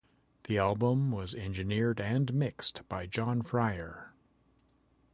The album was engineered and mixed by John Fryer.